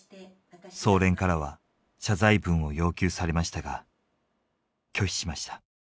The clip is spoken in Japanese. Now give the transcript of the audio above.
総連からは謝罪文を要求されましたが拒否しました。